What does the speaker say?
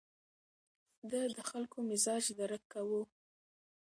ده د خلکو مزاج درک کاوه.